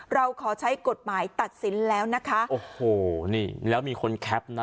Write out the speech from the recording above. เราขอใช้กฎหมายตัดสินแล้วนะคะโอ้โหนี่แล้วมีคนแคปนะ